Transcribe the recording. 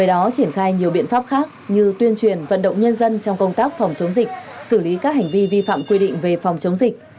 đó triển khai nhiều biện pháp khác như tuyên truyền vận động nhân dân trong công tác phòng chống dịch xử lý các hành vi vi phạm quy định về phòng chống dịch